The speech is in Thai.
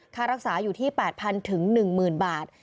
ค่ารักษาอยู่ที่๘๐๐๑๐๐บาท